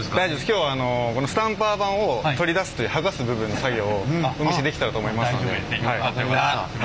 今日はこのスタンパー盤を剥がす部分の作業をお見せできたらと思いますので。